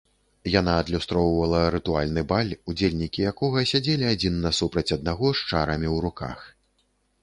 Яна адлюстроўвала рытуальны баль, удзельнікі якога сядзелі адзін насупраць аднаго з чарамі ў руках.